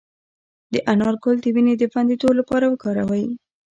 د انار ګل د وینې د بندیدو لپاره وکاروئ